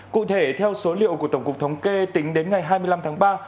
cụ thể theo số liệu của tổng cục thống kê tính đến ngày hai mươi năm tháng ba